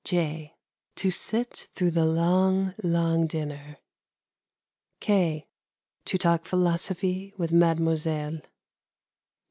(j) To sit through the long, long dinner. (k) To talk philosophy with Mademoiselle.